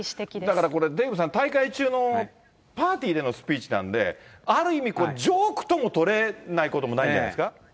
だからこれ、デーブさん、大会中のパーティーでのスピーチなんで、ある意味、ジョークとも取れないこともないんじゃないです